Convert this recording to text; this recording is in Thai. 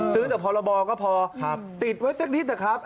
ซื้อแต่พอละบอก็พอติดไว้สักนิดเดี๋ยวครับ